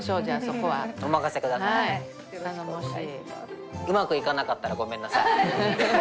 頼もしい。